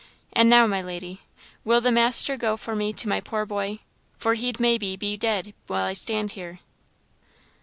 An' now, my lady, will the master go for me to my poor boy? for he'd maybe be dead while I stand here."